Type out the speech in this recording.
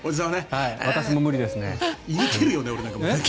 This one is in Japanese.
私も無理ですね。